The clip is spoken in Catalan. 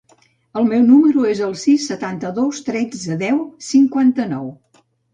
El meu número es el sis, setanta-dos, tretze, deu, cinquanta-nou.